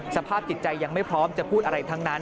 สภาพจิตใจยังไม่พร้อมจะพูดอะไรทั้งนั้น